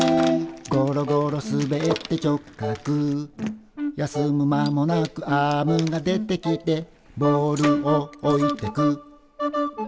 「ゴロゴロ滑って直角」「休む間もなくアームが出てきて」「ボールを置いてく」